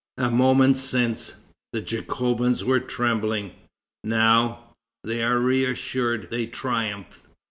A moment since, the Jacobins were trembling. Now, they are reassured, they triumph.